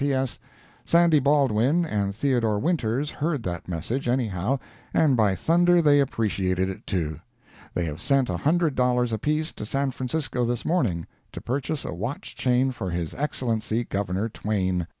P.S.—Sandy Baldwin and Theodore Winters heard that message, anyhow, and by thunder they appreciated it, too. They have sent a hundred dollars apiece to San Francisco this morning, to purchase a watch chain for His Excellency Governor Twain.